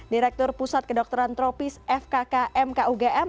direktur pusat kedokteran tropis fkkm kugm